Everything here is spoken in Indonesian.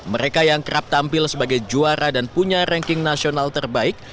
mereka yang kerap tampil sebagai juara dan punya ranking nasional terbaik